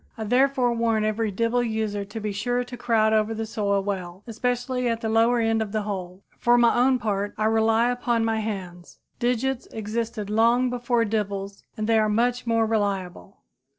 I therefore warn every dibble user to be sure to crowd over the soil well, especially at the lower end of the hole. For my own part, I rely upon my hands. Digits existed long before dibbles and they are much more reliable.